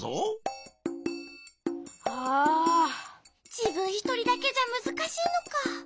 じぶんひとりだけじゃむずかしいのか。